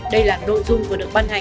đây là nội dung vừa được ban hành